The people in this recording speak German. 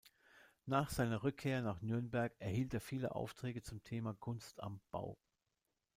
Nach seiner Rückkehr nach Nürnberg erhielt er viele Aufträge zum Thema „Kunst am Bau“.